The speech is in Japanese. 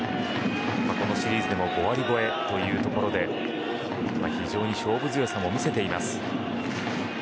このシリーズでも５割超えというところで非常に勝負強さも見せています。